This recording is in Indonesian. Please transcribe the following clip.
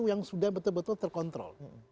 yang sudah betul betul terkontrol